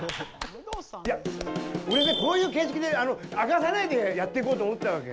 いや俺ねこういう形式であの明かさないでやっていこうと思ってたわけ。